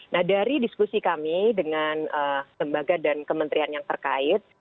nah dari diskusi kami dengan lembaga dan kementerian yang terkait